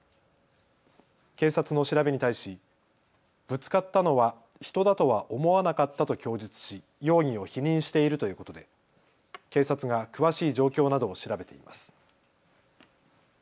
警察の調べに対しぶつかったのは人だとは思わなかったと供述し容疑を否認しているということで警察が詳しい状況などを調べています。